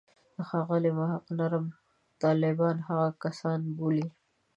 ښاغلی محق نرم طالبان هغه کسان بولي.